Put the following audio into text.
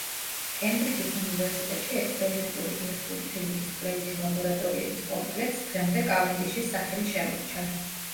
კემბრიჯის უნივერსიტეტში ექსპერიმენტული ბირთვული ფიზიკის კვლევითი ლაბორატორიების კომპლექსს დღემდე კავენდიშის სახელი შემორჩა.